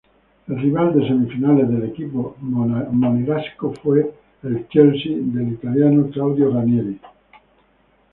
El rival de semifinales del equipo monegasco fue el Chelsea del italiano Claudio Ranieri.